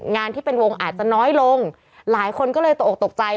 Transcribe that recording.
งานที่เป็นวงอาจจะน้อยลงหลายคนก็เลยตกออกตกใจ